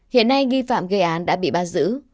hiện nay nghi phạm gây án đã bị bắt giữ